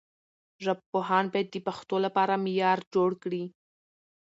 ژبپوهان باید د پښتو لپاره معیار جوړ کړي.